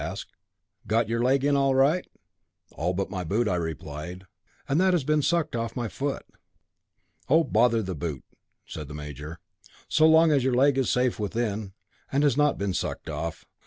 asked he. "Got your leg in all right?" "All but my boot," I replied, "and that has been sucked off my foot." "Oh, bother the boot," said the major, "so long as your leg is safe within, and has not been sucked off.